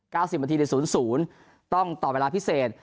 ๙๐นาทีใน๐๐ต้องต่อเวลาพิเศษ